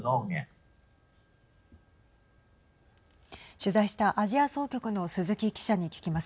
取材したアジア総局の鈴木記者に聞きます。